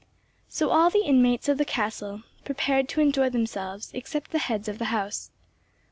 So all the inmates of the castle prepared to enjoy themselves, except the heads of the house.